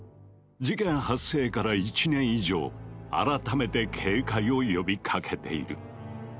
事件発生から１年以上改めて警戒を呼びかけている。